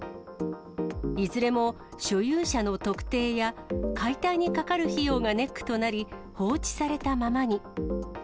いずれも所有者の特定や、解体にかかる費用がネックとなり、放置されたままに。